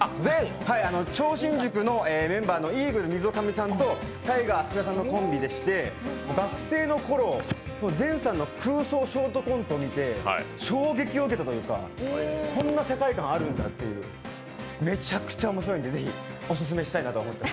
超新塾のメンバーのイーグル溝神さんとタイガー福田さんのコンビでして、学生の頃、ＺＥＮさんの空想ショートコントを見て衝撃を受けたというか、こんな世界観あるんだっていうめちゃくちゃ面白いんで、ぜひオススメしたいなと思って。